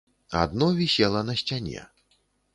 Адно вісела на сцяне.